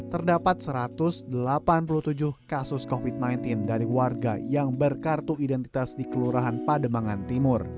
terdapat satu ratus delapan puluh tujuh kasus covid sembilan belas dari warga yang berkartu identitas di kelurahan pademangan timur